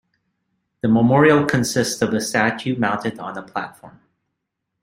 The memorial consists of a statue mounted on a platform.